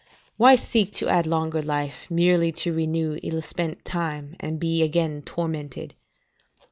["Why seek to add longer life, merely to renew ill spent time, and be again tormented?"